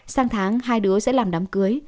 tăng tháng hai đứa sẽ làm đám cưới